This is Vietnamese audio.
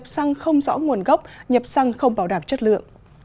xăng không rõ nguồn gốc nhập xăng không bảo đảm chất lượng